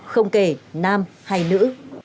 không kể nam hay nữ